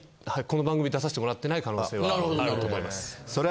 この番組出さしてもらってない可能性はあると思います。